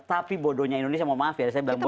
tapi bodohnya indonesia mohon maaf ya saya bilang bodo